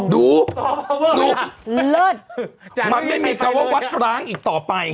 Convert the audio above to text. ดูดูมันไม่มีคำว่าวัดร้างอีกต่อไป